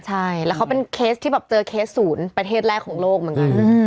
ใช่แล้วเขาเป็นเคสที่แบบเจอเคสศูนย์ประเทศแรกของโลกเหมือนกัน